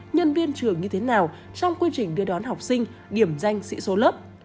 nhân viên trường như thế nào trong quy trình đưa đón học sinh điểm danh sĩ số lớp